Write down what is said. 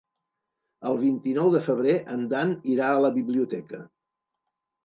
El vint-i-nou de febrer en Dan irà a la biblioteca.